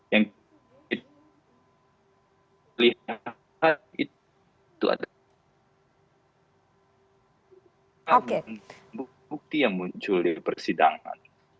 yang kelihatan itu adalah bukti yang muncul di persidangan